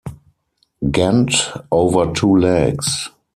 Gent over two legs.